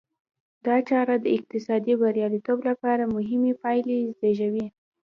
دا چاره د اقتصادي بریالیتوب لپاره مهمې پایلې زېږوي.